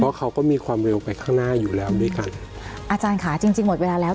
เพราะเขาก็มีความเร็วไปข้างหน้าอยู่แล้วด้วยกันอาจารย์ค่ะจริงจริงหมดเวลาแล้ว